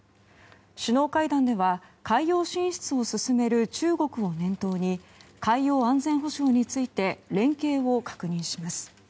首脳会談では海洋進出を進める中国を念頭に海洋安全保障について連携を確認します。